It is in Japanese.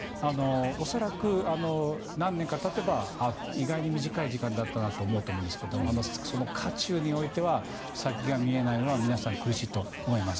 恐らく、何年か経てば意外に短い時間だったなと思うと思うんですけどその渦中においては先が見えないのは皆さん、苦しいと思います。